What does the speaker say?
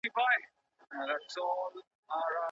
ایا نوي کروندګر چارمغز صادروي؟